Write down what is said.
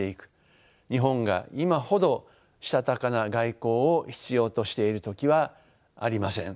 日本が今ほどしたたかな外交を必要としている時はありません。